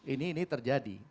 ini ini terjadi